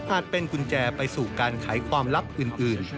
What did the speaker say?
เป็นกุญแจไปสู่การไขความลับอื่น